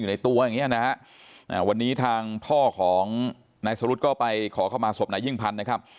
อยู่ในตัวอย่างนี้นะวันนี้ทางพ่อของนายสรุทธก็ไปขอเข้ามาสบไหนยิ่งพันนะครับ